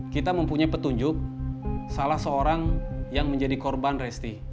kita mempunyai petunjuk salah seorang yang menjadi korban resti